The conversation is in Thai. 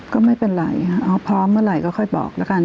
ก็ไม่เป็นไรค่ะอ๋อพร้อมเมื่อไหร่ก็ค่อยบอกแล้วกัน